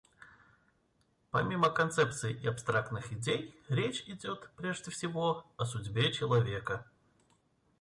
Помимо концепций и абстрактных идей речь идет, прежде всего, о судьбе человека.